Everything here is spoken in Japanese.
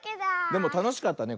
でもたのしかったね